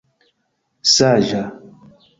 saĝa